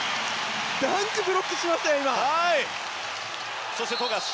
ダンクをブロックしましたよ！